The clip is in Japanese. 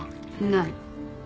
ない。